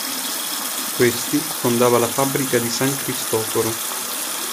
Questi fondava la fabbrica di "San Cristoforo".